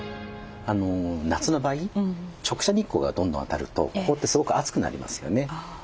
夏の場合直射日光がどんどん当たるとここってすごく熱くなりますよね。